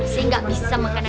sih gak bisa makan